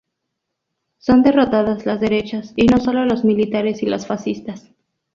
Son derrotadas las derechas, y no solo los militares y los fascistas.